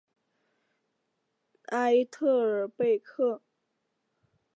埃特尔贝克。